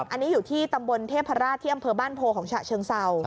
อันนี้อยู่ที่ตำบลเทพราชที่อำเภอบ้านโพของฉะเชิงเศร้า